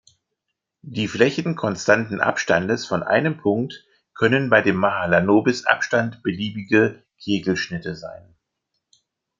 Die Flächen konstanten Abstandes von einem Punkt können bei dem Mahalanobis-Abstand beliebige Kegelschnitte sein.